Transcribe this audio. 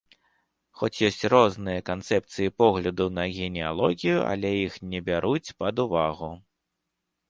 Хоць ёсць розныя канцэпцыі погляду на генеалогію, але іх не бяруць пад увагу.